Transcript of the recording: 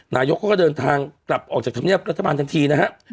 นายกก็ก็เดินทางกลับออกจากทะเมียรัฐบาลทั้งทีนะฮะ